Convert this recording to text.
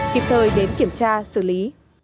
kịp thời đến kiểm tra xử lý